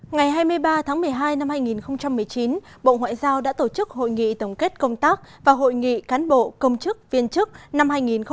ngày hai mươi ba tháng một mươi hai năm hai nghìn một mươi chín bộ ngoại giao đã tổ chức hội nghị tổng kết công tác và hội nghị cán bộ công chức viên chức năm hai nghìn một mươi chín